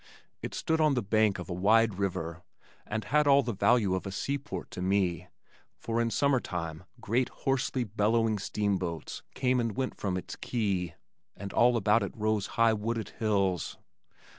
It stood on the bank of a wide river and had all the value of a sea port to me for in summertime great hoarsely bellowing steamboats came and went from its quay, and all about it rose high wooded hills.